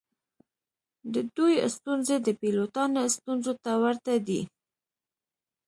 د دوی ستونزې د پیلوټانو ستونزو ته ورته دي